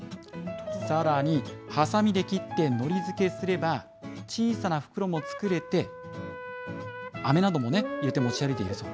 さらに、はさみで切ってのり付けすれば、小さな袋も作れて、あめなども入れて持ち歩いているそう。